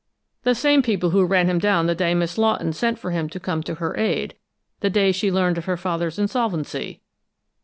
"The same people who ran him down the day Miss Lawton sent for him to come to her aid the day she learned of her father's insolvency."